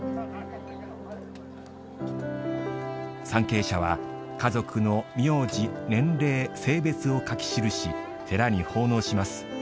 参詣者は家族の苗字、年齢、性別を書き記し寺に奉納します。